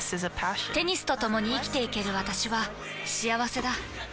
テニスとともに生きていける私は幸せだ。